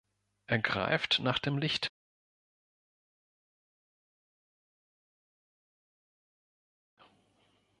Er greift nach dem Licht.